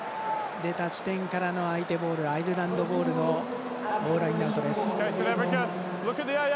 出た地点からの相手ボールアイルランドボールのボールラインアウトです。